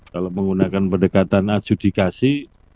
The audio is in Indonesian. kalau menggunakan pendekatan adjudikasi